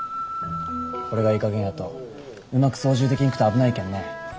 これがいいかげんやとうまく操縦できんくて危ないけんね。